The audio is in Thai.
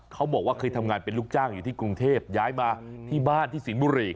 เขาบอกว่าเคยทำงานเป็นลูกจ้างอยู่ที่กรุงเทพย้ายมาที่บ้านที่สิงห์บุรี